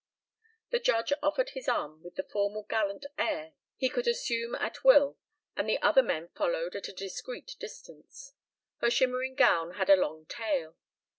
The Judge offered his arm with the formal gallant air he could assume at will and the other men followed at a discreet distance: her shimmering gown had a long tail.